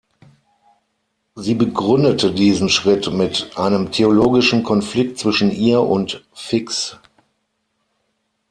Sie begründete diesen Schritt mit einem theologischen Konflikt zwischen ihr und Fix.